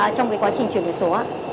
trong quá trình chuyển đổi số